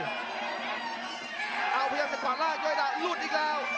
เอาพยายามจะขวาล่างยดะหลุดอีกแล้ว